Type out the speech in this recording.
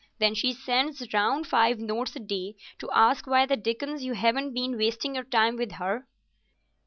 Then she sends round five notes a day to ask why the dickens you haven't been wasting your time with her."